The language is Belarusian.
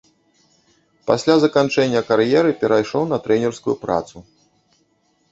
Пасля заканчэння кар'еры перайшоў на трэнерскую працу.